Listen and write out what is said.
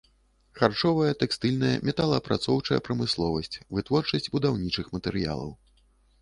Харчовая, тэкстыльная металаапрацоўчая прамысловасць, вытворчасць будаўнічых матэрыялаў.